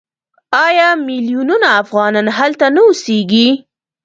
آیا میلیونونه افغانان هلته نه اوسېږي؟